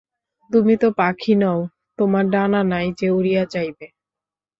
তুমি তো পাখি নও, তোমার ডানা নাই যে উড়িয়া যাইবে।